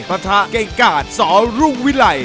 ประถะเก้กการสรุ่งวิไล